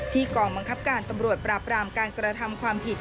กองบังคับการตำรวจปราบรามการกระทำความผิด